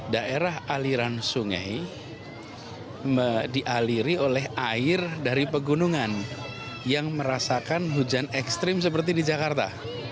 daerah aliran sungai dialiri oleh air dari pegunungan yang merasakan hujan ekstrim seperti di jakarta